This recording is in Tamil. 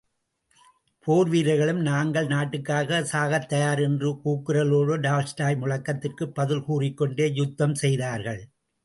போர் வீரர்களும் நாங்கள் நாட்டுக்காக சாகத்தயார் என்ற கூக்குரலோடு டால்ஸ்டாய் முழக்கத்திற்குப் பதில் கூறிக் கொண்டே யுத்தம் செய்தார்கள்.